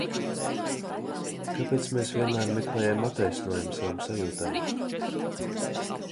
Kāpēc mēs vienmēr meklējam attaisnojumu savām sajūtām?